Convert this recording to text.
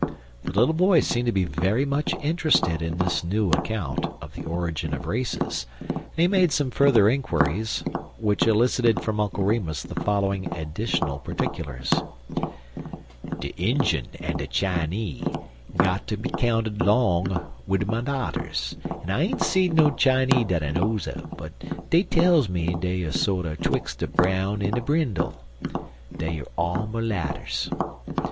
The little boy seemed to be very much interested in this new account of the origin of races, and he made some further inquiries, which elicited from Uncle Remus the following additional particulars: "De Injun en de Chinee got ter be 'counted 'long er de merlatter. I ain't seed no Chinee dat I knows un, but dey tells me dey er sorter 'twix' a brown en a brindle. Dey er all merlatters."